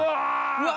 うわ。